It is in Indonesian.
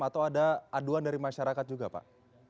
atau ada aduan dari masyarakat juga pak